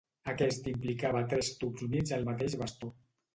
Aquest implicava tres tubs units al mateix bastó.